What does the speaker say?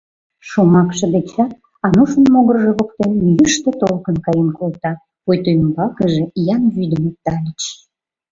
Шомакше дечак Анушын могыржо воктен йӱштӧ толкын каен колта, пуйто ӱмбакыже иян вӱдым оптальыч.